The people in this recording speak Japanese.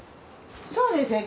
そうですね